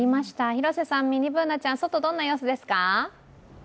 広瀬さん、ミニＢｏｏｎａちゃん、外、どんな様子ですか？